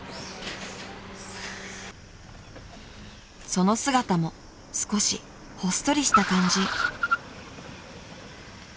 ［その姿も少しほっそりした感じ］